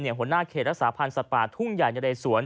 หัวหน้าเขตรักษาพันธ์สัตว์ป่าทุ่งใหญ่ในเรสวน